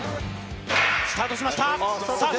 スタートしました。